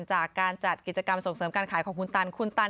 จากการจัดกิจกรรมส่งเสริมการขายของคุณตันคุณตัน